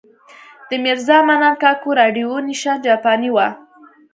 د میرزا منان کاکو راډیو نېشن جاپانۍ وه.